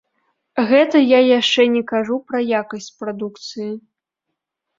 Гэта я яшчэ не кажу пра якасць прадукцыі!